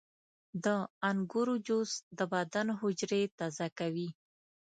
• د انګورو جوس د بدن حجرې تازه کوي.